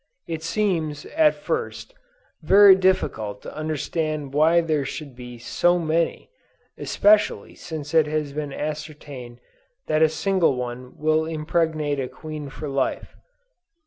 It seems, at first, very difficult to understand why there should be so many, especially since it has been ascertained that a single one will impregnate a queen for life.